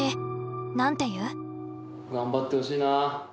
頑張ってほしいな。